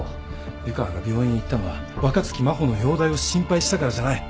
湯川が病院へ行ったのは若槻真帆の容体を心配したからじゃない。